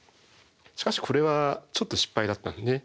しかしこれはちょっと失敗だったね。